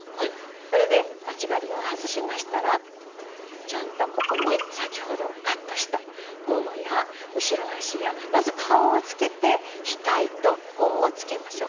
これで待ち針を外しましたらちゃんとここに先ほどカットしたももや後ろ足やまず顔をつけて額とほおをつけましょう。